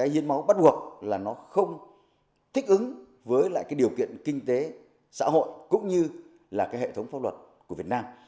hiến máu bắt buộc là nó không thích ứng với lại điều kiện kinh tế xã hội cũng như là hệ thống pháp luật của việt nam